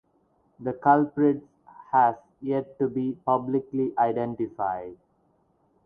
The culprit(s) has yet to be publicly identified.